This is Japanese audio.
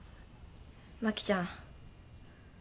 真紀ちゃん。